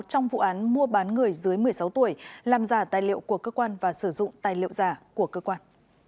trong vụ án mua bán người dưới một mươi sáu tuổi làm giả tài liệu của cơ quan và sử dụng tài liệu giả của cơ quan